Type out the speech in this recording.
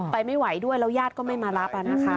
ไปไม่หวายด้วยแล้วยาตรก็ไม่มารับ